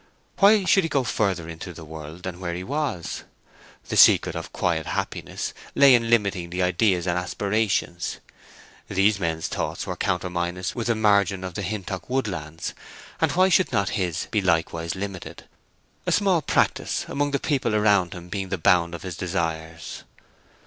Why should he go farther into the world than where he was? The secret of quiet happiness lay in limiting the ideas and aspirations; these men's thoughts were conterminous with the margin of the Hintock woodlands, and why should not his be likewise limited—a small practice among the people around him being the bound of his desires?